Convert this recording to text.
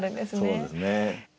そうですね。